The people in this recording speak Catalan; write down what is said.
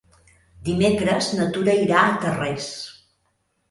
Dimecres na Tura irà a Tarrés.